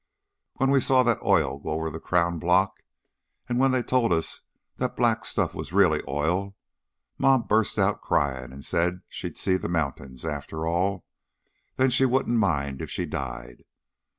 When we saw that oil go over the crown block, and when they told us that black stuff was really oil, Ma busted out cryin' and said she'd see the mountains, after all then she wouldn't mind if she died.